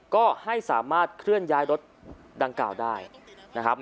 ก็ให้สามารถเคลื่อนย้ายรถดังกล่าวได้นะครับ